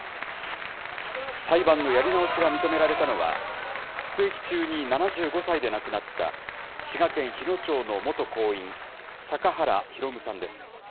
裁判のやり直しが認められたのは、服役中に７５歳で亡くなった、滋賀県日野町の元工員、阪原弘さんです。